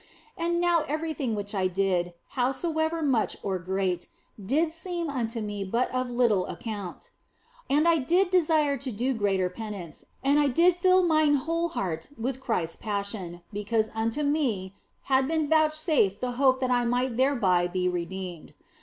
And now everything which I did, howso ever much or great, did seem unto me but of little ac count. And I did desire to do greater penance, and I did fill mine whole heart with Christ s Passion, because unto 12 THE BLESSED ANGELA me had been vouchsafed the hope that I might thereby be redeemed.